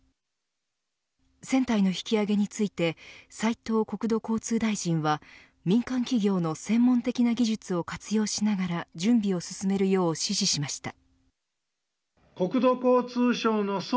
船体の引き揚げについて斉藤国土交通大臣は民間企業の専門的な技術を活用しながら準備を進めるよう指示しました。